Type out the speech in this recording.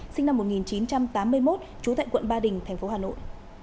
sinh năm một nghìn chín trăm tám mươi một trú tại quận ba đình tp hà nội